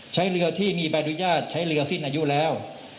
ใช้เรือที่มีใบอนุญาตใช้เรือสิ้นอายุแล้ว